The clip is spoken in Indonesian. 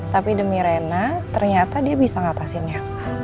tapi demi rena ternyata dia bisa ngatasinnya